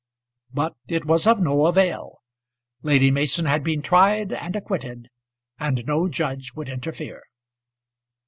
But it was of no avail. Lady Mason had been tried and acquitted, and no judge would interfere.